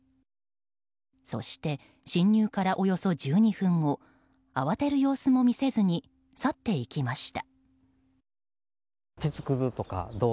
そして侵入からおよそ１２分後慌てる様子も見せずに去っていきました。